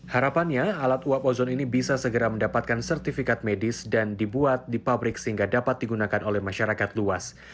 harapannya alat uap ozon ini bisa segera mendapatkan sertifikat medis dan dibuat di pabrik sehingga dapat digunakan oleh masyarakat luas